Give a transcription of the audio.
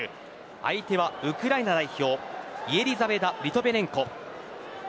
相手はウクライナ代表イェリザベタ・リトヴェネンコです。